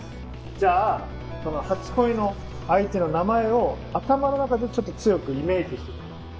じゃあ初恋の相手の名前を頭の中でちょっと強くイメージしてください。